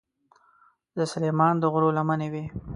د سلیمان د غرو لمنې وې.